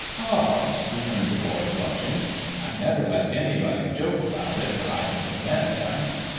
' Cobbs,' returned the boy, flushing, ' I never let anybody joke about it, when I can prevent them.'